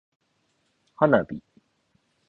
花火